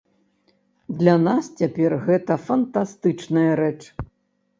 Для нас цяпер гэта фантастычная рэч.